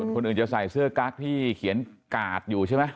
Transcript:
คนอื่นจะใส่เสื้อกั๊กที่เขียนกาดอยู่ใช่ไหม